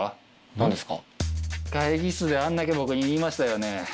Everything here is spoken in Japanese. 会議室であんだけ僕に言いましたよね？